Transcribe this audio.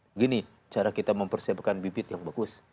begini cara kita mempersiapkan bibit yang bagus